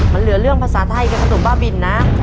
มันเหลือเรื่องภาษาไทยกับขนมบ้าบินนะ